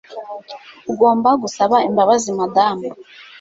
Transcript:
Ugomba gusaba imbabazi Madamu